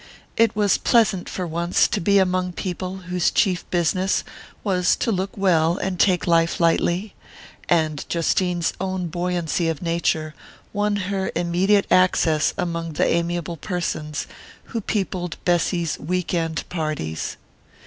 It was pleasant, for once, to be among people whose chief business was to look well and take life lightly, and Justine's own buoyancy of nature won her immediate access among the amiable persons who peopled Bessy's week end parties.